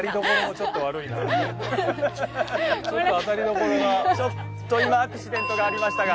ちょっと今アクシデントがありましたが。